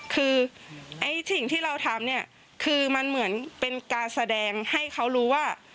คือไอ้สิ่งที่เราทำเนี่ยคือมันเหมือนเป็นการแสดงให้เขารู้ว่า